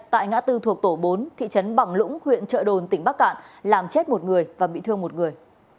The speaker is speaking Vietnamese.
tại ngã tư thuộc tổ bốn thị trấn bằng lũng huyện trợ đồn tỉnh bắc cạn làm chết một người và bị thương một người